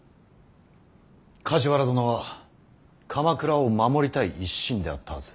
梶原殿は鎌倉を守りたい一心であったはず。